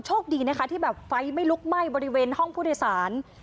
โชคดีนะคะที่แบบไฟไม่ลุกไหม้บริเวณห้องผู้โดยสาร